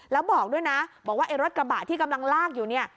แล้วบอกด้วยนะบอกว่าไอ้รถกระบะที่กำลังลากอยู่เนี่ย